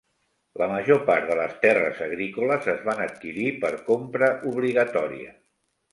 La major part de les terres agrícoles es van adquirir per compra obligatòria.